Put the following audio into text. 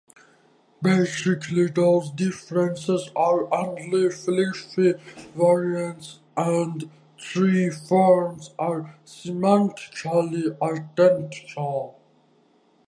Basically, those differences are only glyph variants, and three forms are semantically identical.